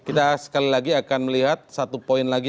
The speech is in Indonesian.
kita sekali lagi akan melihat satu poin lagi